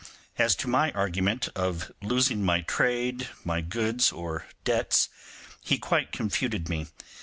As to my argument of losing my trade, my goods, or debts, he quite confuted me.